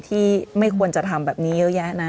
ที่ไม่ควรจะทำแบบนี้เยอะแยะนะ